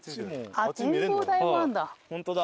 展望台もあるんだ。